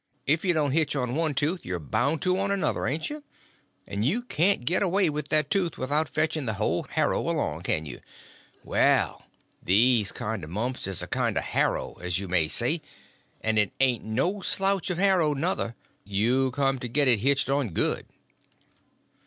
If you don't hitch on to one tooth, you're bound to on another, ain't you? And you can't get away with that tooth without fetching the whole harrow along, can you? Well, these kind of mumps is a kind of a harrow, as you may say—and it ain't no slouch of a harrow, nuther, you come to get it hitched on good."